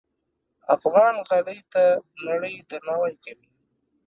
افغان غالۍ ته نړۍ درناوی کوي.